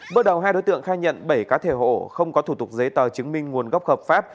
bước đầu hai đối tượng khai nhận bảy cá thể hộ không có thủ tục giấy tờ chứng minh nguồn gốc hợp pháp